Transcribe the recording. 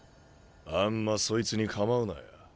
あんまそいつに構うなや。